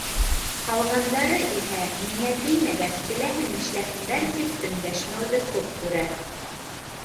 Ҡалғандары иһә, миңә теймәгәс, теләһә нишләһендәр, тип, өндәшмәүҙе хуп күрә.